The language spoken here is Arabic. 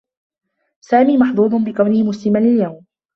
سامي محظوظ بكونه مسلما اليوم.